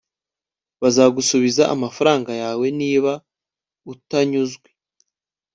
bazagusubiza amafaranga yawe niba utanyuzwe